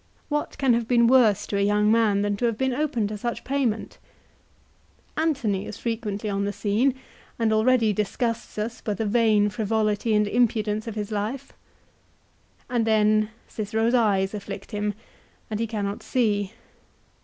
What can have been worse to a young man than to have been open to such payment ? Antony is frequently on the scene, and already disgusts us by the vain frivolity and impudence of his life. And then Cicero's eyes afflict him, and he cannot see.